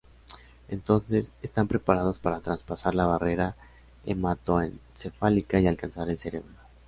Entonces están preparados para traspasar la barrera hematoencefálica y alcanzar el cerebro.